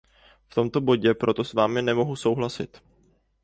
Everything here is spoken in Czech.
V tomto bodě proto s vámi nemohu souhlasit.